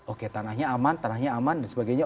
oke tanahnya aman tanahnya aman dan sebagainya